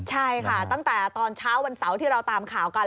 ใช่ค่ะตั้งแต่ตอนเช้าวันเสาร์ที่เราตามข่าวกัน